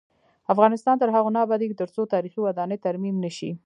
افغانستان تر هغو نه ابادیږي، ترڅو تاریخي ودانۍ ترمیم نشي.